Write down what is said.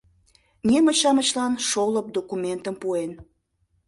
Немыч-шамычлан шолып документым пуэн.